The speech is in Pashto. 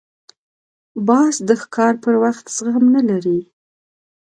باز د ښکار پر وخت زغم نه لري